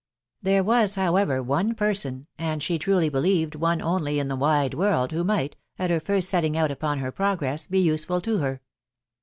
There was, however, one person, and she truly believed one only in the wide world, who might, at her first setting out upon her progress, be useful to her.